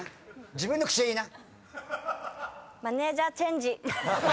自分の口で言いな。